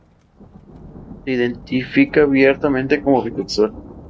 La rehabilitación buscó adaptar la disposición original a las nuevas necesidades.